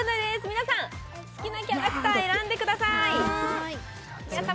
皆さん好きなキャラクター選んでくださいやさ